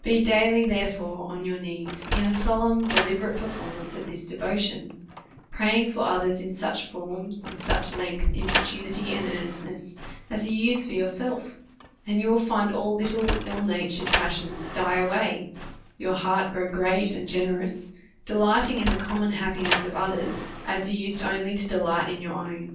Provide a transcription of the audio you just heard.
Be daily, therefore, on 3rour knees in a solemn deli berate performance of this devotion, praying for others in forms, with such length and importunity, and earn estness, as you use for yourself; and you will find all little ill natured passions die away, your heait grow great and generous, delighting in the common happi ness of others, a? you used only to delight in your own.